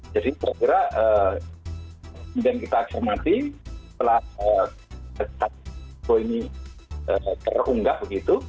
jadi segera kemudian kita akhirmati setelah tetap ini terunggah begitu